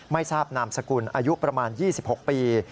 ไม่ทราบนามสกุลอายุประมาณ๒๖ปี